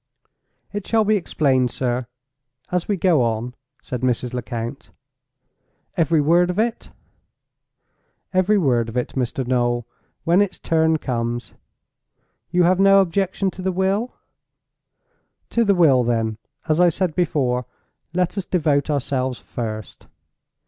"It shall be explained, sir, as we go on," said Mrs. Lecount. "Every word of it?" "Every word of it, Mr. Noel, when its turn comes. You have no objection to the will? To the will, then, as I said before, let us devote ourselves first.